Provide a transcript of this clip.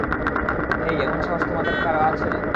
হেই, এমন সাহস তোদের কারো আছে?